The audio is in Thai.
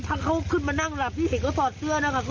นอนหลับพักเขาขึ้นมานั่งหลับที่เห็นเขาถอดเสื้อนั่งหลับ